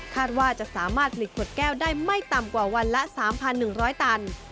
ว่าจะสามารถผลิตขวดแก้วได้ไม่ต่ำกว่าวันละ๓๑๐๐ตัน